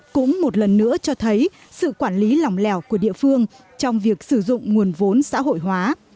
cũng một lần nữa cho thấy sự quản lý lòng lèo của địa phương trong việc sử dụng nguồn vốn xã hội hóa